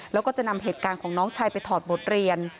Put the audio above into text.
แล้วก็จะนำเหตุการณ์ของน้องชายไปถอดบทเรียน